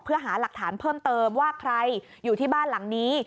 เพื่อหาหลักฐานเพิ่มเติมว่าใครอยู่ที่บ้านหลังนี้